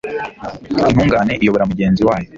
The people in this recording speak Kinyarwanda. Intungane iyobora mugenzi wayo